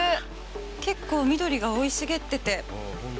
結構緑が生い茂ってて。